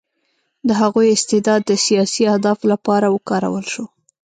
د هغوی استعداد د سیاسي اهدافو لپاره وکارول شو